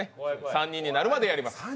３人になるまでやります。